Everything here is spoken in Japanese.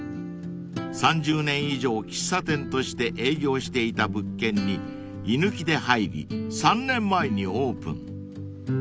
［３０年以上喫茶店として営業していた物件に居抜きで入り３年前にオープン］